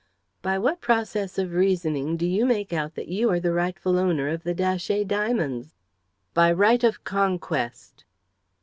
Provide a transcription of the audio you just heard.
"By what process of reasoning do you make out that you are the rightful owner of the Datchet diamonds?" "By right of conquest."